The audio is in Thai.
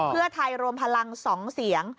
เพื่อไทยรวมพลัง๒เสียง